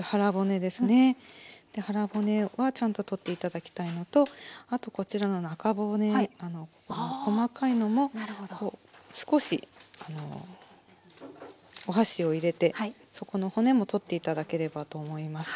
腹骨はちゃんと取って頂きたいのとあとこちらの中骨細かいのも少しお箸を入れてそこの骨も取って頂ければと思います。